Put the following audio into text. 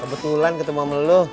kebetulan ketemu ama lo